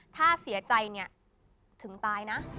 ถ้าเสียใจเนี่ยถึงตายนะ